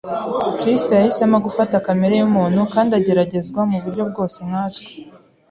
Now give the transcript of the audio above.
Kristo yahisemo gufata kamere y’umuntu kandi ageragezwa mu buryo bwose nka twe